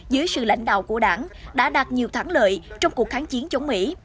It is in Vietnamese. dưới sự lãnh đạo của đảng đã đạt nhiều thắng lợi trong cuộc kháng chiến chống mỹ